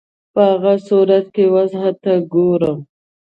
په هغه صورت کې وضع ته ګورم.